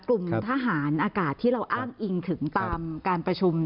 กลุ่มทหารอากาศที่เราอ้างอิงถึงตามการประชุม